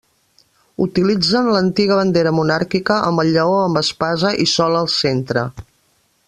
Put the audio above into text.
Utilitzen l'antiga bandera monàrquica amb el lleó amb espasa i sol al centre.